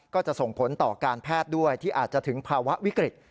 ก็จะส่งผลต่อการแพทย์ด้วยที่อาจจะถึงภาวะวิกฤต